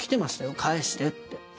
「返して」って。